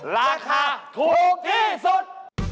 ราคาถูกที่สุด